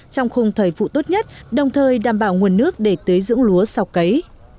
trong khung thời vụ tốt nhất đồng thời đảm bảo nguồn nước để tưới dưỡng lúa sau cấy